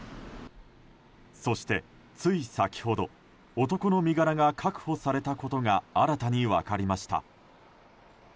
そして、つい先ほど男の身柄が確保されたことが新たに分かりました。